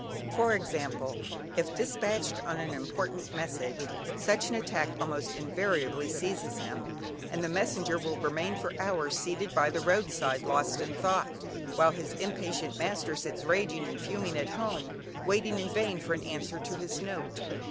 For example, if despatched on an important message, such an attack almost invariably seizes him, and the messenger will remain for hours, seated by the road side lost in thought, while his impatient master sits raging and fuming at home, waiting in vain for an answer to his note.